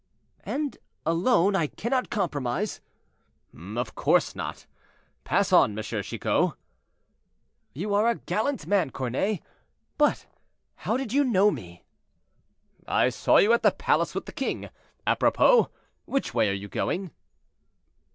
"And alone; I cannot compromise—" "Of course not; pass on, M. Chicot." "You are a gallant man, cornet. But how did you know me?" "I saw you at the palace with the king. Apropos, which way are you going?"